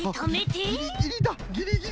ギリギリだギリギリだこれは。